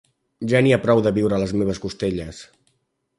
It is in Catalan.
Ja n'hi ha prou de viure a les meves costelles.